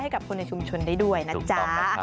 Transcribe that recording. ให้กับคนในชุมชนได้ด้วยนะจ๊ะ